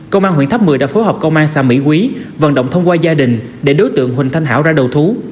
công an huyện tháp mười đã phối hợp công an xạ mỹ quý vận động thông qua gia đình để đối tượng huỳnh thanh hảo ra đầu thú